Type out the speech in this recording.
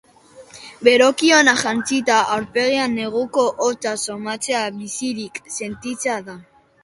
Beroki ona jantzita, aurpegian neguko hotza somatzea bizirik sentitzea da.